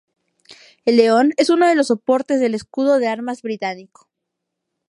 El león es uno de los soportes del escudo de armas británico.